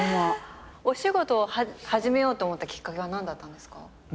お仕事を始めようと思ったきっかけは何だったんですか？